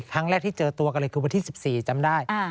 ครั้งแรกที่เจอตัวกันเลยคือวันที่๑๔จำได้